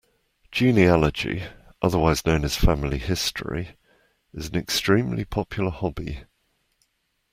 Genealogy, otherwise known as family history, is an extremely popular hobby